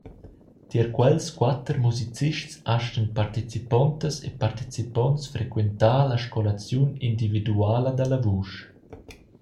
Tier quels quater musicists astgan participontas e participonts frequentar la scolaziun individuala dalla vusch.